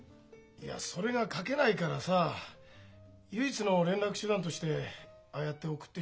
いやそれが書けないからさ唯一の連絡手段としてああやって送ってきてるんだよ。